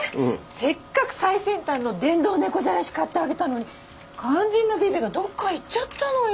せっかく最先端の電動猫じゃらし買ってあげたのに肝心なビビがどこかへ行っちゃったのよ。